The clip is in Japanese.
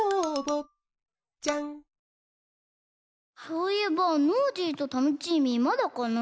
そういえばノージーとタノチーミーまだかな？